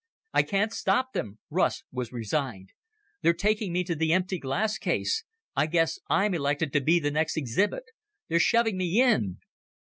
"I can't stop them." Russ was resigned. "They're taking me to the empty glass case. I guess I'm elected to be the next exhibit. They're shoving me in!"